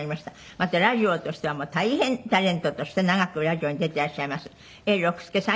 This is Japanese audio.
またラジオとしてはもう大変タレントとして長くラジオに出ていらっしゃいます永六輔さん